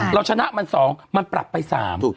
เราชนะมันสองมันปรับไปสาม